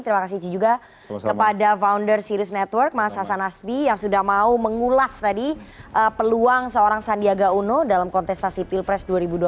terima kasih juga kepada founder sirius network mas hasan asbi yang sudah mau mengulas tadi peluang seorang sandiaga uno dalam kontestasi pilpres dua ribu dua puluh